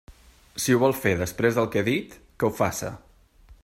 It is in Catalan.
Si ho vol fer, després del que he dit, que ho faça!